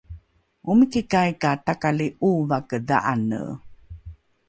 omikikai ka takali ’ovake dha’ane